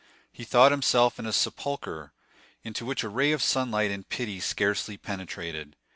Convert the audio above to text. He thought himself in a sepulchre, into which a ray of sunlight in pity scarcely penetrated.